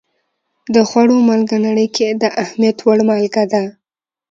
د خوړو مالګه نړۍ کې د اهمیت وړ مالګه ده.